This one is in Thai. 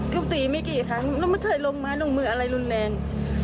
ทุบตีไม่กี่ครั้งแล้วไม่เคยลงไม้ลงมืออะไรรุนแรง